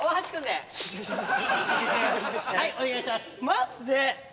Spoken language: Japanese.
マジで！？